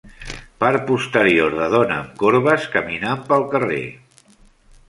Part posterior de dona amb corbes caminant pel carrer